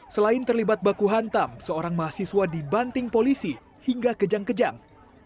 selain terlibat baku hantam seorang mahasiswa dibanting polisi hingga kejang kejang